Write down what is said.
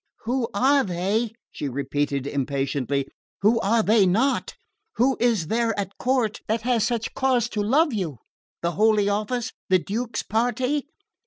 "Who are they?" she repeated impatiently. "Who are they not? Who is there at court that has such cause to love you? The Holy Office? The Duke's party?"